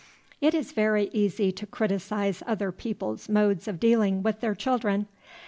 It is very easy to criticise other people's modes of dealing with their children.